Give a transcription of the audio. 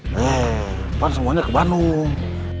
nih kan semuanya ke banung